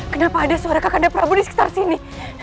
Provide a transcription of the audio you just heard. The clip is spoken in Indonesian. kenapa ada suara kakande prabu di sekitar sini